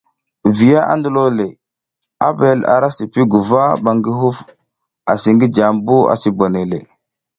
Viya a ndilole, Abel ara sii guva ɓa ngi huf asi asi bonoy jaʼmbu.